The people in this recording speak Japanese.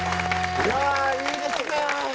いやあいいですね。